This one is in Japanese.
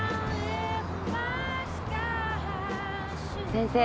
先生。